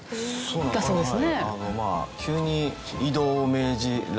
あっそうですね。